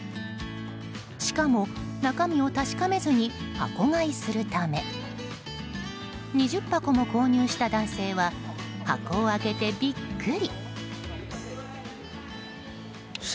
しかも、中身を確かめずに箱買いするため２０箱も購入した男性は箱を開けてビックリ！